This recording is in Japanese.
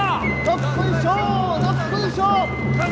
どっこいしょー